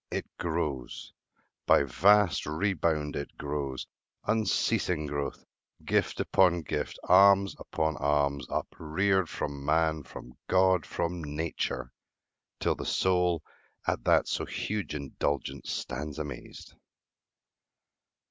It grows— By vast rebound it grows, unceasing growth; Gift upon gift, alms upon alms, upreared, From man, from God, from nature, till the soul At that so huge indulgence stands amazed.